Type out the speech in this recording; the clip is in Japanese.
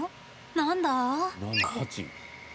何だ？